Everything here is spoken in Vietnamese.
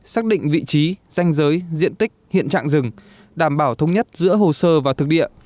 xác định vị trí danh giới diện tích hiện trạng rừng đảm bảo thống nhất giữa hồ sơ và thực địa